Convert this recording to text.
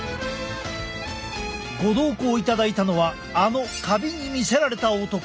ご同行いただいたのはあのカビに魅せられた男